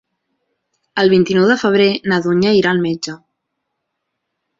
El vint-i-nou de febrer na Dúnia irà al metge.